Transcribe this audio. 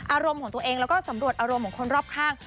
อารมณ์ของตัวเองแล้วก็สำรวจอารมณ์ของคนรอบข้าง